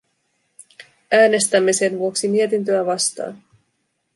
Äänestämme sen vuoksi mietintöä vastaan.